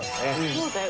そうだよ。